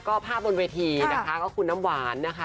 ก็ภาพบนเวทีนะคะก็คุณน้ำหวานนะคะ